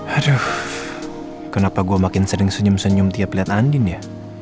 aduh kenapa gue makin sering senyum senyum tiap lihat andin ya